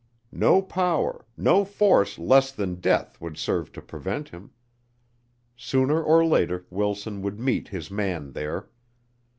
No power, no force less than death would serve to prevent him. Sooner or later Wilson would meet his man there.